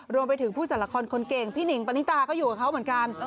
รวมไปถึงผู้จัดละครคนเก่งพี่หนิงปณิตาก็อยู่กับเขาเหมือนกัน